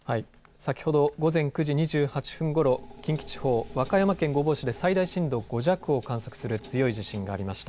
先ほど午前９時２８分ごろ、近畿地方、和歌山県御坊市で最大震度５弱を観測する強い地震がありました。